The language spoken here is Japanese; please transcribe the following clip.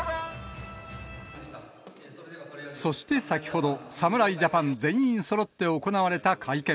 そして先ほど、侍ジャパン全員そろって行われた会見。